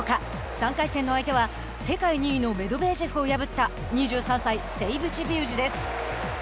３回戦の相手は世界２位のメドヴェージェフを破った２３歳セイブチビビウジです。